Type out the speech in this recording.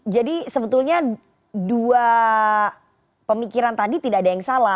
jadi sebetulnya dua pemikiran tadi tidak ada yang salah